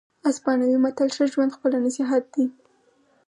اسپانوي متل وایي ښه ژوند خپله نصیحت دی.